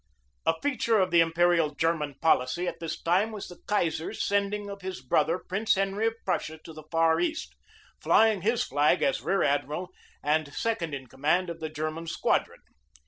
A feature of the imperial German policy at this time was the Kaiser's sending of his brother Prince Henry of Prussia to the Far East, flying his flag as a rear admiral and second in command of the Ger man squadron.